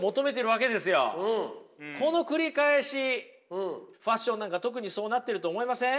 今はファッションなんか特にそうなってると思いません？